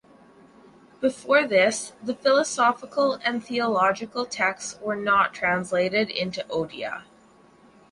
Before this the philosophical and theological texts were not translated into Odia.